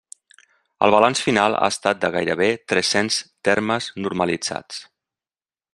El balanç final ha estat de gairebé tres-cents termes normalitzats.